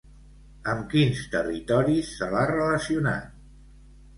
Amb quins territoris se l'ha relacionat?